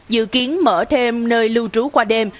trong nơi lưu trú qua đêm